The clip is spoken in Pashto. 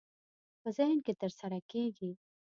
په ذهن کې ترسره کېږي.